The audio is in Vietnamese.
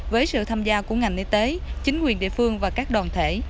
với sự tham gia của ngành y tế chính quyền địa phương và các đoàn thể